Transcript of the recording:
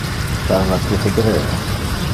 Parla tu hebreo?